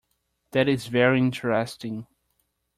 That is very interesting.